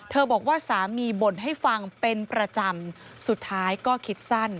บอกว่าสามีบ่นให้ฟังเป็นประจำสุดท้ายก็คิดสั้น